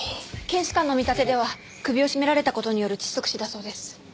検視官の見立てでは首を絞められた事による窒息死だそうです。